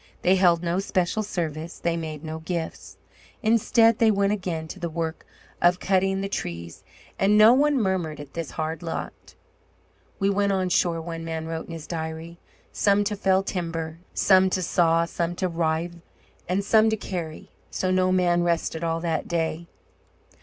They held no special service. They made no gifts. Instead, they went again to the work of cutting the trees, and no one murmured at his hard lot. "We went on shore," one man wrote in his diary, "some to fell timber, some to saw, some to rive, and some to carry; so no man rested all that day."